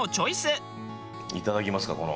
いただきますか。